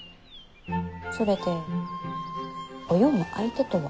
それでお葉の相手とは？